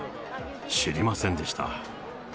知りませんでした。